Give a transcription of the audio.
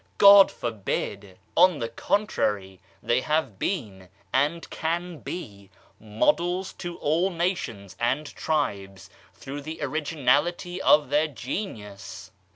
God forbid I On the contrary they have been, and can be, models to all nations and tribes through the originality of their genius.